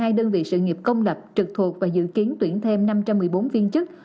hai đơn vị sự nghiệp công lập trực thuộc và dự kiến tuyển thêm năm trăm một mươi bốn viên chức